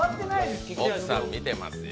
奥さん見てますよ。